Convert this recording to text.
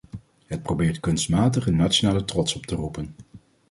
Het probeert kunstmatig een nationale trots op te roepen.